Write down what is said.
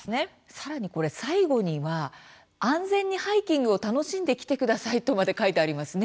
さらに、最後には安全にハイキングを楽しんできてくださいねとまで書いてありますね。